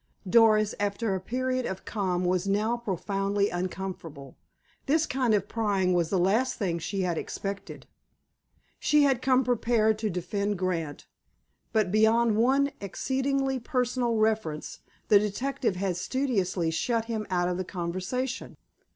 Doris, after a period of calm, was now profoundly uncomfortable. This kind of prying was the last thing she had expected. She had come prepared to defend Grant, but, beyond one exceedingly personal reference, the detective had studiously shut him out of the conversation.